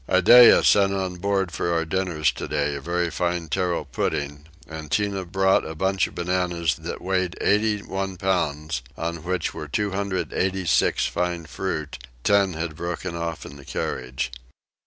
Iddeah sent on board for our dinners today a very fine tarro pudding; and Tinah brought a bunch of bananas that weighed 81 pounds, on which were 286 fine fruit: ten had broken off in the carriage.